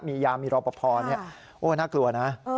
มียามมีรอบพอโอ้วน่ากลัวนะ